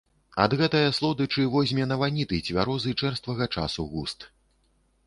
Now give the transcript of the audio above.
Ад гэтае слодычы возьме на ваніты цвярозы чэрствага часу густ.